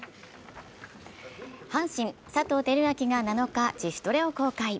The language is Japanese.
阪神・佐藤輝明が７日、自主トレを公開。